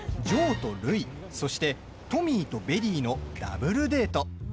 ジョーとるいそして、トミーとベリーのダブルデート。